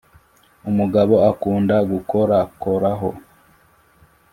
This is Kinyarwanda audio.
umugabo akunda gukorakoraho,